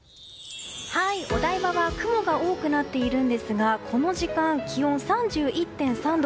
お台場は雲が多くなっているんですがこの時間、気温が３１．３度。